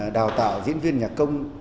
đào tạo diễn viên nhà công